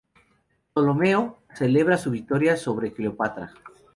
Ptolomeo celebra su victoria sobre Cleopatra.